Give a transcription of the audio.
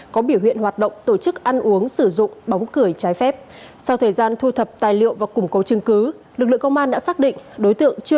có biểu hiện hoạt động tổ chức ăn uống sử dụng bóng cười trái phép sau thời gian thu thập tài liệu và củng cấu chứng cứ lực lượng công an đã xác định